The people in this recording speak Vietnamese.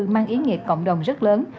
mang ý nghiệp cộng đồng rất lớn